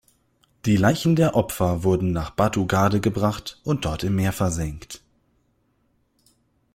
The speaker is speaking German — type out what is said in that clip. Die Leichen der Opfer wurden nach Batugade gebracht und dort im Meer versenkt.